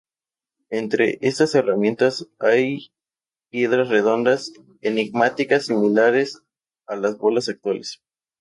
Entre estas herramientas hay piedras redondas enigmáticas, similares a las bolas actuales.